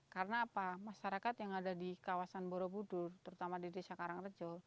karena apa masyarakat yang ada di kawasan borobudur terutama di desa karangrejo